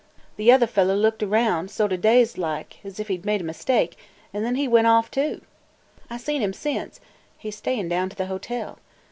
The other fellah looked around, sort of dazed like, as if he 'd made a mistake, an' then he went off too. I seen him since; he 's staying down to the hotel.